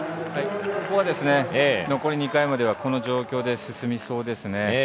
ここは残り２回まではこの状況で進みそうですね。